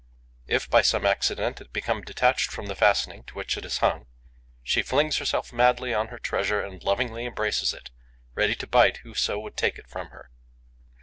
If, by some accident, it become detached from the fastening to which it is hung, she flings herself madly on her treasure and lovingly embraces it, ready to bite whoso would take it from her.